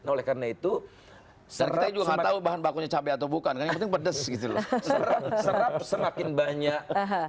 oleh karena itu serta juga tahu bahan bakunya cabai atau bukan yang pedes gitu semakin banyak